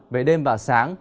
về đêm và sáng